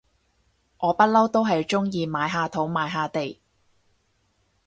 我不嬲都係中意買下土買下地